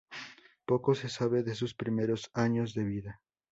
Poco se sabe de sus primeros años de vida.